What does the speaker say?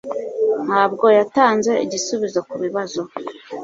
Ntabwo yatanze igisubizo kubibazo.